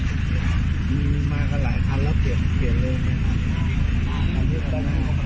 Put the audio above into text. รถมายังเยอะแล้วผมมองไม่เห็น